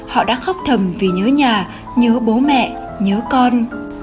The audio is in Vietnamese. họ đã khóc thầm vì nhớ nhà nhớ bố mẹ nhớ con